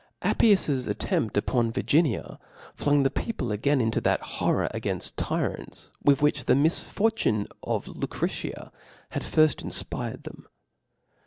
Afpius^% attempt upon Virginia, flung the people again into that horror againft tyrants, with which the misfortune of Ir« cr^a had firft infpired them.